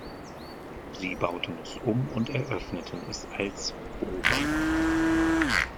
Sie bauten es um und eröffneten es als "Omen".